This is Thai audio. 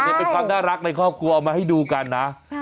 นี่เป็นความน่ารักในครอบครัวเอามาให้ดูกันนะ